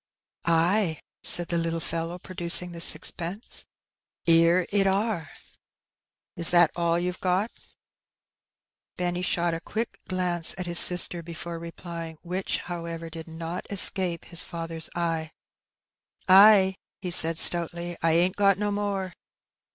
" Ay," fl^d the little fellow, producing the sixpence, " 'ere it »M." "la that all you've got?" Addleb's Hall. 19 Benny shot a quick glance at his sister before replying, which, however, did not escape his father's eye. ^^ Aj" he said, stoutly; "I ain't got no more."